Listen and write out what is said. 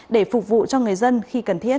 để phục vụ cho người dân khi cần thiết